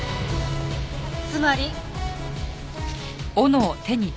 つまり。